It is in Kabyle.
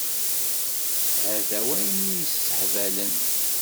Hata wayen i y-issehbalen.